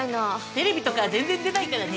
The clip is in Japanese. テレビとか全然出ないからね。